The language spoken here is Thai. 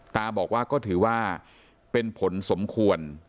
ตาบอกว่าก็ถือว่าเป็นผลสมควร